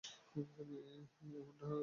এমনটা তো আশা করি নি।